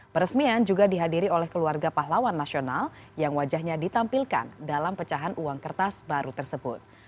peresmian juga dihadiri oleh keluarga pahlawan nasional yang wajahnya ditampilkan dalam pecahan uang kertas baru tersebut